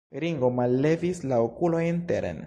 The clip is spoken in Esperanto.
Ringo mallevis la okulojn teren.